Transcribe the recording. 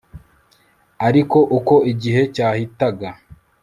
ariko uko igihe cyahitaga